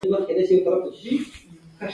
میله به ګلاب شاه اوجلیل احمد ترتیب کړي